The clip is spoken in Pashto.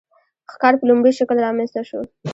ښکار په لومړني شکل رامنځته شو.